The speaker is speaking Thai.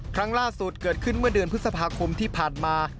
ครั้งล่าสุดเกิดขึ้นเมื่อเดือนพฤษภาคมที่ผ่านมา